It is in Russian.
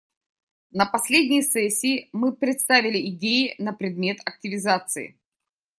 На последней сессии мы представили идеи на предмет активизации.